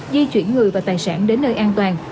di chuyển người và tài sản đến nơi an toàn